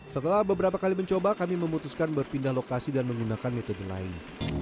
setelah beberapa kali mencoba kami memutuskan berpindah lokasi dan menggunakan metode lain